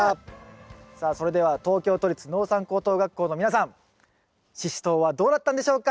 さあそれでは東京都立農産高等学校の皆さんシシトウはどうなったんでしょうか？